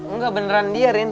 engga beneran dia rin